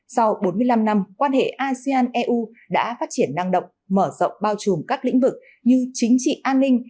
sau bốn mươi năm năm quan hệ asean eu đã phát triển năng động mở rộng bao trùm các lĩnh vực như chính trị an ninh